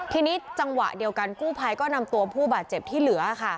ทีนี้จังหวะเดียวกันกู้ภัยก็นำตัวผู้บาดเจ็บที่เหลือ